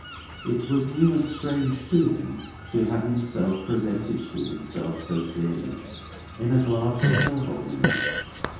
It was new and strange to him to have himself presented to himself so clearly, in a glass of her holding up.